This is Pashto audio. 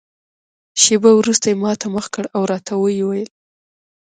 شېبه وروسته یې ما ته مخ کړ او راته ویې ویل.